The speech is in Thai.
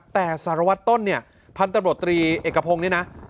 แต่สารวัตต้นเนี่ยพันธบตรีเอกพงนี้นะ